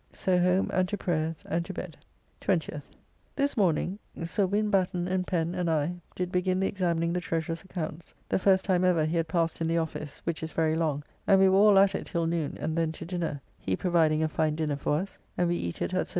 So home and to prayers, and to bed. 20th. This morning Sir Win. Batten and Pen and I did begin the examining the Treasurer's accounts, the first time ever he had passed in the office, which is very long, and we were all at it till noon, and then to dinner, he providing a fine dinner for us, and we eat it at Sir W.